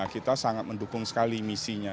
kita sangat mendukung sekali misinya